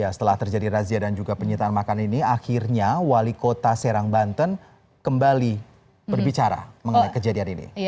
setelah terjadi razia dan juga penyitaan makanan ini akhirnya wali kota serang banten kembali berbicara mengenai kejadian ini